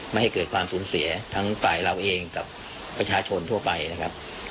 ไม่ให้เกิดความสูญเสียทั้งฝ่ายเราเองกับประชาชนทั่วไปนะครับ